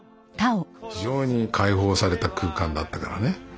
非常に解放された空間だったからね。